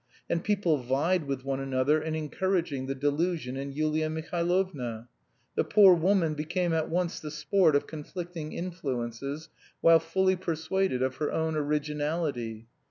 And people vied with one another in encouraging the delusion in Yulia Mihailovna. The poor woman became at once the sport of conflicting influences, while fully persuaded of her own originality.